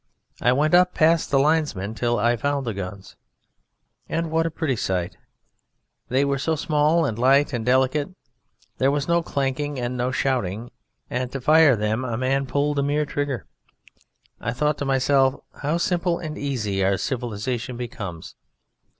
I went up past the linesmen till I found the guns. And what a pretty sight! They were so small and light and delicate! There was no clanking, and no shouting, and to fire them a man pulled a mere trigger. I thought to myself: "How simple and easy our civilization becomes.